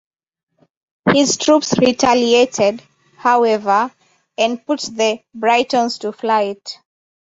His troops retaliated, however, and put the Britons to flight.